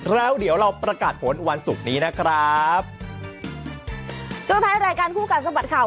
แล้วเดี๋ยวเราประกาศผลวันศุกร์นี้นะครับช่วงท้ายรายการคู่กัดสะบัดข่าว